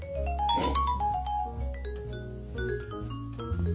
うん。